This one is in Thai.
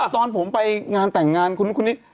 ตอนผมไปงานแต่งงานคุณนี้